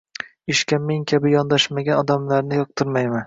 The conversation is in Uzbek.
Ishga men kabi yondashmagan odamlarni yoqtirmayman